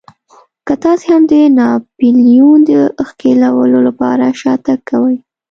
که تاسې هم د ناپلیون د ښکېلولو لپاره شاتګ کوئ.